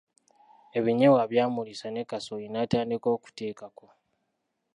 Ebinyeebwa byamulisa ne kasooli n’atandika okuteekako.